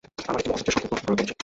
আমরা একটি মহাযজ্ঞের সঙ্কল্প করেছি।